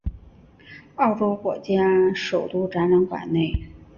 澳洲国家首都展览馆内。